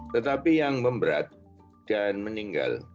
tetapi yang memberat dan meninggal